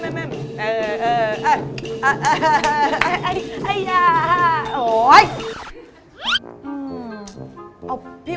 เฮ้ยไอ้น้องเอาเฮ้ย